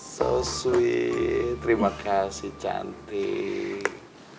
so sweet terima kasih cantik